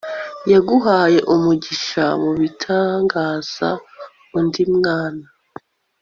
yaguhaye umugisha mubitangaza, undi mwana